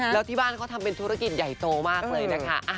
แล้วที่บ้านเขาทำเป็นธุรกิจใหญ่โตมากเลยนะคะ